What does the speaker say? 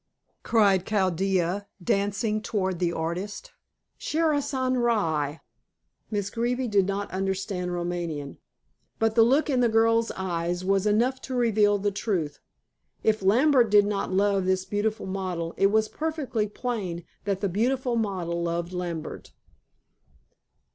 cried Chaldea, dancing toward the artist. "Sarishan rye." Miss Greeby didn't understand Romany, but the look in the girl's eyes was enough to reveal the truth. If Lambert did not love his beautiful model, it was perfectly plain that the beautiful model loved Lambert.